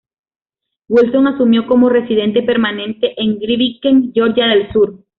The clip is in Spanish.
Wilson asumió como residente permanente en Grytviken, Georgia del Sur.